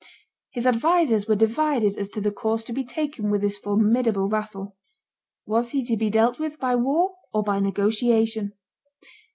His advisers were divided as to the course to be taken with this formidable vassal. Was he to be dealt with by war or by negotiation?